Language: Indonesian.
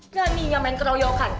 gani nya main keroyokan